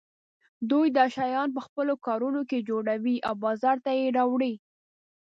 دوی دا شیان په خپلو کورونو کې جوړوي او بازار ته یې راوړي.